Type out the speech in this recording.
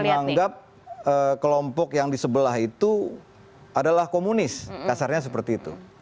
menganggap kelompok yang di sebelah itu adalah komunis kasarnya seperti itu